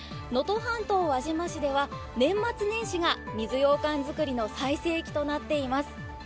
能登半島・輪島市では年末年始が水ようかん作りの最盛期となっています。